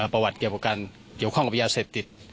พอวัดเกี่ยวกับเกี่ยวข้องมีอย่าเสพติศ